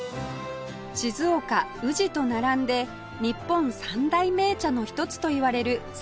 静岡宇治と並んで日本三大銘茶の一つといわれる狭山茶